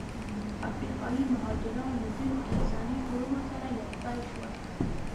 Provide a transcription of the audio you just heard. افریقایي مهاجران له ځینو انساني ټولنو سره یوځای شول.